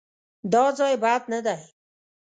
_دا ځای بد نه دی.